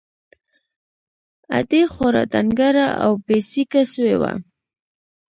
ادې خورا ډنگره او بې سېکه سوې وه.